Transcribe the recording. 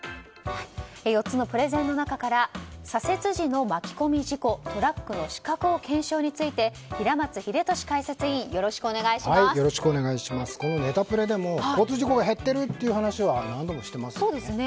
４つのプレゼンの中から左折時の巻き込み事故トラックの死角を検証について平松秀敏解説委員ネタプレでも交通事故が減っているという話は何度もしていますよね。